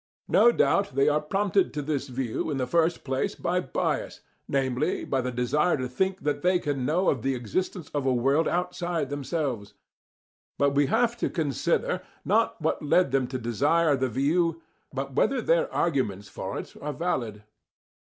No doubt they are prompted to this view, in the first place, by bias, namely, by the desire to think that they can know of the existence of a world outside themselves. But we have to consider, not what led them to desire the view, but whether their arguments for it are valid.